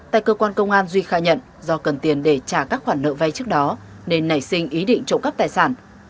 tại cơ quan công an duy khai nhận do cần tiền để trả các khoản nợ vay trước đó nên nảy sinh ý định trộm cắp tài sản